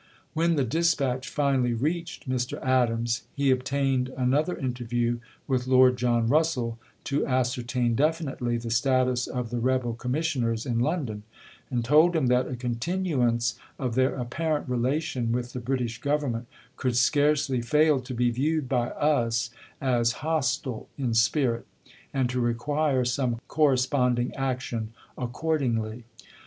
When the dispatch finally reached Mr. Adams, he obtained another interview with Lord John RusseU, to ascertain definitely the status of the rebel commissioners in London, and told him that a continuance of their apparent relation with the British Government "could scarcely fail to be viewed by us as hostile in spirit, and to require some corresponding action accordingly."